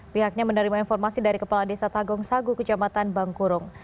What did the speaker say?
pihaknya menerima informasi dari kepala desa tagong sagu kecamatan bangkurung